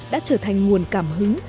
đã trở thành nguồn cảm hứng